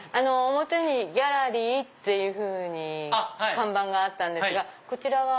表にギャラリーっていうふうに看板があったんですがこちらは。